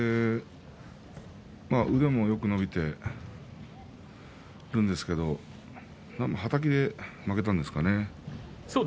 腕もよく伸びているんですけどはたきで負けたんですかね。